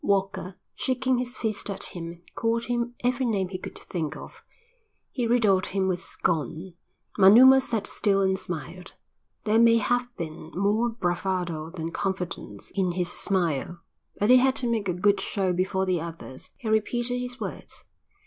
Walker, shaking his fist at him, called him every name he could think of. He riddled him with scorn. Manuma sat still and smiled. There may have been more bravado than confidence in his smile, but he had to make a good show before the others. He repeated his words.